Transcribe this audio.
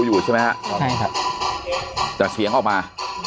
อยู่ใช่ไหมฮะครับใช่ครับแต่เสียงออกมา